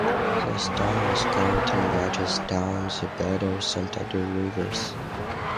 The stone was carried in barges down the Bidouze and Adour rivers.